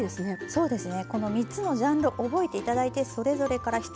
そうですね。